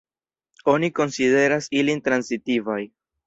Oni konsideras ilin transitivaj.